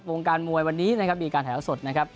วงการมวยวันนี้นะครับมีการแถวสดนะครับ